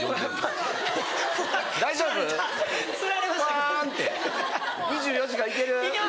「ファン」って『２４時間』いける？